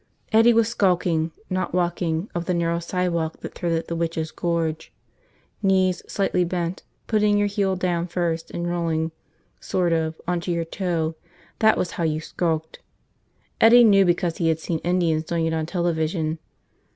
Eddie was skulking, not walking, up the narrow sidewalk that threaded the Witches' Gorge. Knees slightly bent, putting your heel down first and rolling, sort of, on to your toe, that was how you skulked. Eddie knew because he had seen Indians doing it on television.